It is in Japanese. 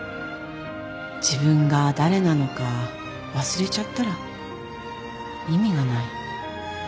自分が誰なのか忘れちゃったら意味がない。